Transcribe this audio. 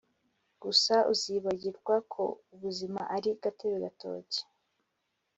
gusa uzibagirwa ko ubuzima ari gatebe gatoki!